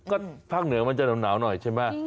ก็ภาคเหนือมันจะหนาวหน่อยใช่ไหม